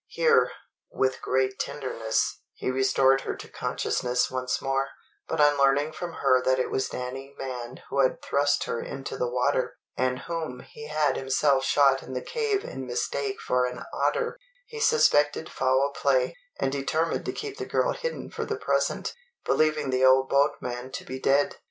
Here, with great tenderness, he restored her to consciousness once more; but on learning from her that it was Danny Mann who had thrust her into the water, and whom he had himself shot in the cave in mistake for an otter, he suspected foul play, and determined to keep the girl hidden for the present, believing the old boatman to be dead.